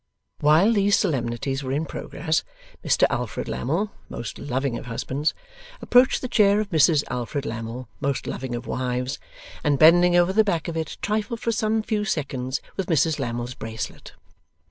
While these solemnities were in progress, Mr Alfred Lammle (most loving of husbands) approached the chair of Mrs Alfred Lammle (most loving of wives), and bending over the back of it, trifled for some few seconds with Mrs Lammle's bracelet.